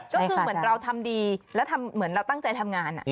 ก็คือเหมือนเราทำดีแล้วทำเหมือนเราตั้งใจทำงาน